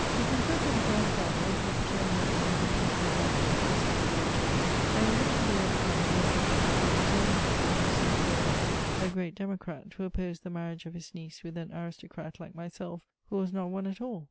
The consent of the grandfather, the paternal uncle and the principal relatives was easily obtained: there remained to be overcome the objections of a maternal uncle, M. de Vauvert, a great democrat, who opposed the marriage of his niece with an aristocrat like myself, who was not one at all.